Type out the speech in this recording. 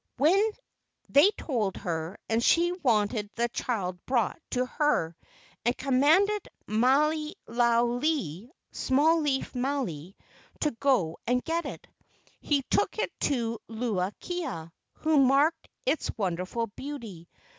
They told her and she wanted that child brought to her, and commanded Maile lau lii (Small leaf made) to go and get it. He took it to Luu kia, who marked its wonderful beauty.